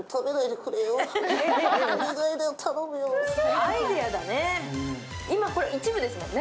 アイデアだね。